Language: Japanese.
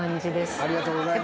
ありがとうございます。